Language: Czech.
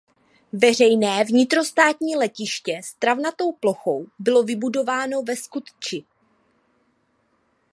Veřejné vnitrostátní letiště s travnatou plochou bylo vybudováno ve Skutči.